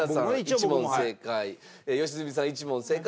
良純さん１問正解。